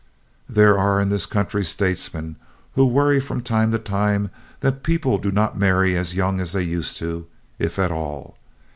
There are in this country statesmen who worry from time to time that people do not marry as young as they used to, if at all.